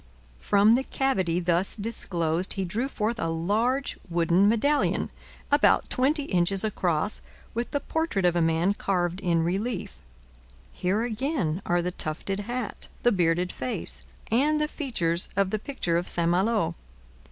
From the cavity thus disclosed he drew forth a large wooden medallion, about twenty inches across, with the portrait of a man carved in relief. Here again are the tufted hat, the bearded face, and the features of the picture of St Malo.